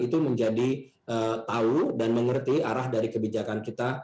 itu menjadi tahu dan mengerti arah dari kebijakan kita